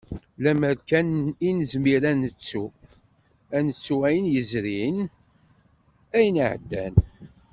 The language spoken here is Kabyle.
Lemmer kan i nezmir ad nettu, ad nettu ayen yezrin, ayen iɛeddan.